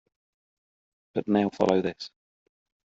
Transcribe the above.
But now follow this!